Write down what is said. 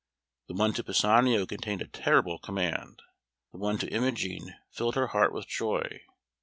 The one to Pisanio contained a terrible command. The one to Imogen filled her heart with joy.